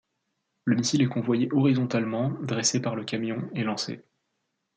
Le missile est convoyé horizontalement, dressé par le camion et lancé.